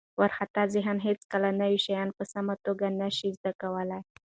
وارخطا ذهن هیڅکله نوي شیان په سمه توګه نه شي زده کولی.